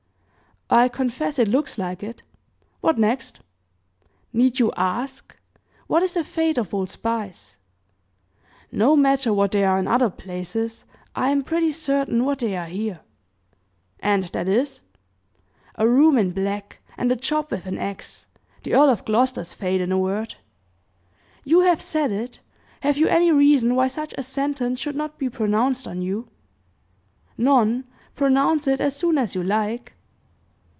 "I confess it looks like it. What next?" "Need you ask What is the fate of all spies?" "No matter what they are in other places, I am pretty certain what they are here!" "And that is?" "A room in black, and a chop with an axe the Earl of Gloucester's fate, in a word!" "You have said it! Have you any reason why such a sentence should not be pronounced on you?" "None; pronounce it as soon as you like."